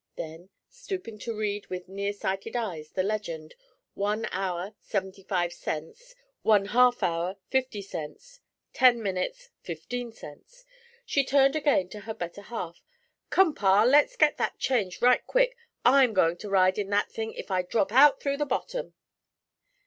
Then, stooping to read with near sighted eyes the legend, 'One hour 75 cents, one half hour 50 cents, ten minutes 15 cents,' she turned again to her better half: 'Come, pa, let's get that change right quick; I'm goin' to ride in that thing if I drop out through the bottom.'